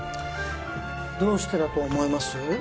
どうしてだと思います？